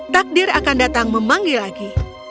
takdir akan datang memanggil lagi